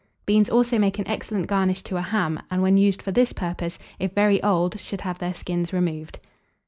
Beans also make an excellent garnish to a ham, and when used for this purpose, if very old, should have their skins removed.